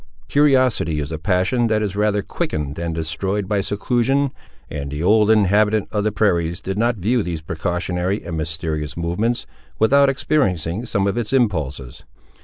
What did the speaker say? Curiosity is a passion that is rather quickened than destroyed by seclusion, and the old inhabitant of the prairies did not view these precautionary and mysterious movements, without experiencing some of its impulses.